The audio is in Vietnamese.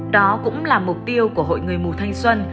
đó cũng là mục tiêu của hội người mù thanh xuân